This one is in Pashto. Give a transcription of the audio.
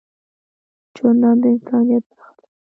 جانداد د انسانیت نښه ده.